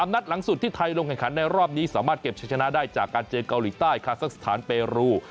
นัดหลังสุดที่ไทยลงแข่งขันในรอบนี้สามารถเก็บชะชนะได้จากการเจอเกาหลีใต้คาซักสถานเปรู